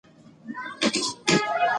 بې مانا ويډيوګانې مه جوړوئ.